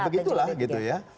ya begitulah gitu ya